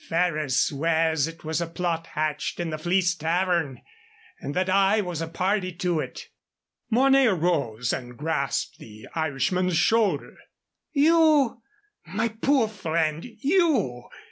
"Ferrers swears it was a plot hatched in the Fleece Tavern, and that I was a party to it." Mornay arose and grasped the Irishman's shoulder. "You! My poor friend, YOU!"